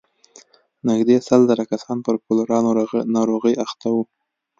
نږدې سل زره کسان پر کولرا ناروغۍ اخته وو.